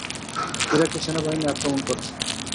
ইরাকি সেনাবাহিনী আক্রমণ করছে।